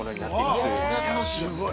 ◆すごい。